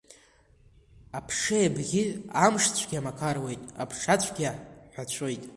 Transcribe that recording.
Аԥшеи абӷьи Амшцәгьа мақаруеит, аԥшацәгьа ҳәацәоит…